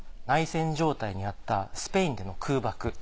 内戦状態にあったスペインでの空爆。